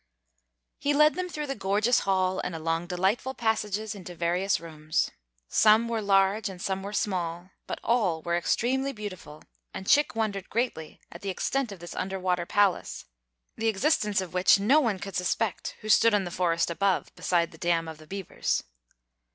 He led them through the gorgeous hall and along delightful passages into various rooms. Some were large and some were small, but all were extremely beautiful, and Chick wondered greatly at the extent of this under water palace, the existence of which no one could suspect who stood in the forest above, beside the dam of the beavers.